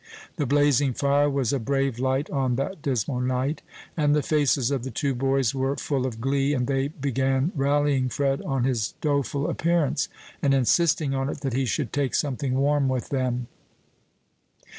The blazing fire was a brave light on that dismal night, and the faces of the two boys were full of glee, and they began rallying Fred on his doleful appearance, and insisting on it that he should take something warm with them.